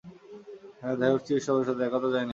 হ্যাঁ, দেখা করছি ক্রিস্টোফারের সাথে, একা তো যাই নাই।